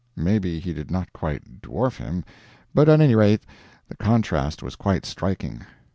Maybe he did not quite dwarf him, but at any rate the contrast was quite striking.